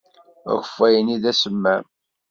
Akeffay-nni d asemmam.